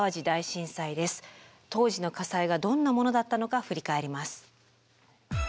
当時の火災がどんなものだったのか振り返ります。